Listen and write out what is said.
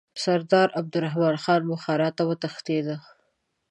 سردار عبدالرحمن خان بخارا ته وتښتېدی.